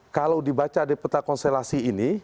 kalau dibaca di peta konstelasi ini